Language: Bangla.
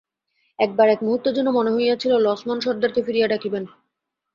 এক বার এক মুহূর্তের জন্য মনে হইয়াছিল লছমন সর্দারকে ফিরিয়া ডাকিবেন।